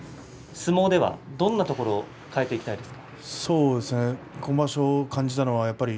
相撲ではどんなところを変えていきたいですか。